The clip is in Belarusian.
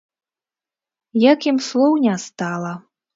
Як ім слоў не стала.